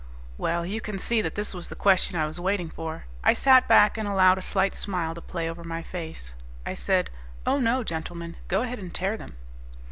Well, you can see that this was the question I was waiting for. I sat back and allowed a slight smile to play over my face. I said, "Oh no, gentlemen. Go ahead and tear them."